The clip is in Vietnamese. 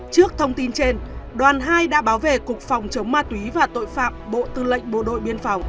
trước thông tin trên đoàn hai đã bảo vệ cục phòng chống ma túy và tội phạm bộ tư lệch bộ đội biên phòng